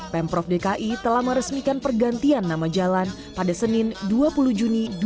pemprov dki telah meresmikan pergantian nama jalan pada senin dua puluh juni dua ribu dua puluh